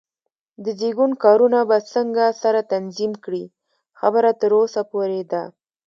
د زېږون کارونه به څنګه سره تنظیم کړې؟ خبره تر وسه پورې ده.